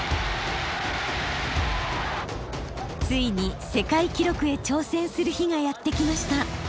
ついに世界記録へ挑戦する日がやって来ました。